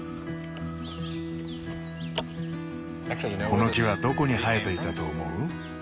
この木はどこに生えていたと思う？